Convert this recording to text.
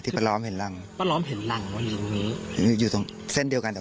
แต่ปานยุ่ทเซ็นต์เดียวกัน